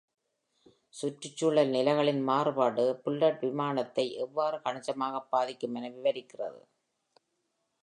சுற்றுச்சூழல் நிலைகளின் மாறுபாடு புல்லட் விமானத்தை எவ்வாறு கணிசமாகப் பாதிக்கும் என விவரிக்கிறது.